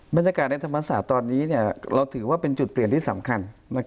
บรรยากาศในธรรมศาสตร์ตอนนี้เราถือว่าเป็นจุดเปลี่ยนที่สำคัญ